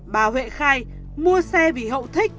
bà huệ khai mua xe vì hậu thích